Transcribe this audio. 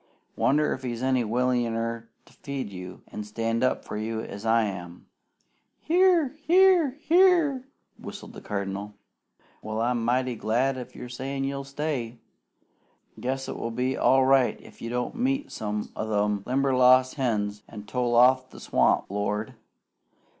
Wonder if he's any willinger to feed you an' stand up for you 'an I am?" "Here! Here! Here!" whistled the Cardinal. "Well, I'm mighty glad if you're sayin' you'll stay! Guess it will be all right if you don't meet some o' them Limberlost hens an' tole off to the swamp. Lord!